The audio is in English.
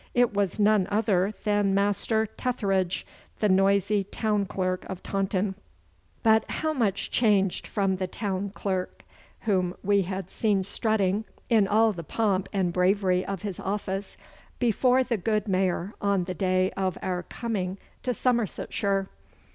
It was none other than Master Tetheridge, the noisy town clerk of Taunton. But how much changed from the town clerk whom we had seen strutting, in all the pomp and bravery of his office, before the good Mayor on the day of our coming to Somersetshire!